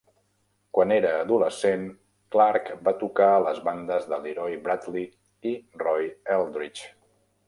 Quan era adolescent, Clarke va tocar a les bandes de Leroy Bradley i Roy Eldridge.